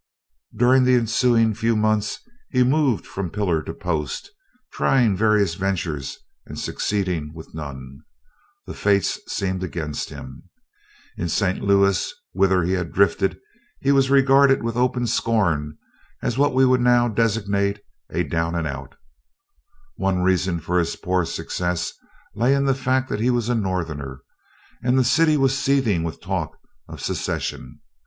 During the ensuing few months he moved from pillar to post, trying various ventures and succeeding with none. The fates seemed against him. In St. Louis, whither he had drifted, he was regarded with open scorn as, what we would now designate, a "down and out." One reason for his poor success lay in the fact that he was a Northerner, and the city was seething with talk of secession.